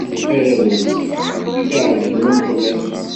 Arraw-nsen ad ɛebden Ameɣlal.